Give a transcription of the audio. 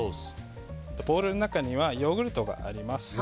ボウルの中にはヨーグルトがあります。